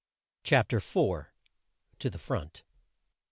CHAPTER IV. TO THE FRONT!